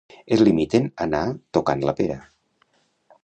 Es limiten a anar tocant la pera.